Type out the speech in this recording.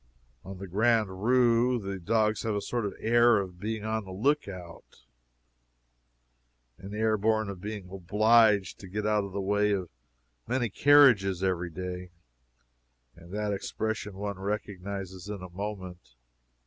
In the Grand Rue the dogs have a sort of air of being on the lookout an air born of being obliged to get out of the way of many carriages every day and that expression one recognizes in a moment.